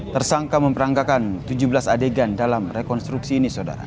tersangka memperangkakan tujuh belas adegan dalam rekonstruksi ini saudara